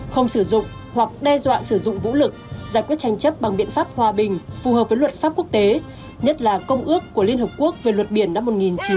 không sử dụng hoặc đe dọa sử dụng vũ lực giải quyết tranh chấp bằng biện pháp hòa bình phù hợp với luật pháp quốc tế nhất là công ước của liên hợp quốc về luật biển năm một nghìn chín trăm tám mươi hai